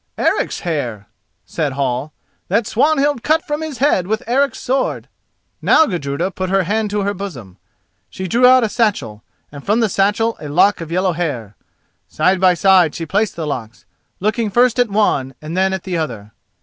"Eric's hair," said Hall, "that Swanhild cut from his head with Eric's sword." Now Gudruda put her hand to her bosom. She drew out a satchel, and from the satchel a lock of yellow hair. Side by side she placed the locks, looking first at one and then at the other.